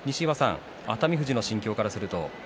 熱海富士の心境からすると。